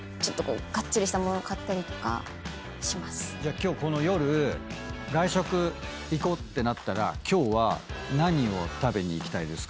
じゃあ今日この夜外食行こうってなったら今日は何を食べに行きたいですか？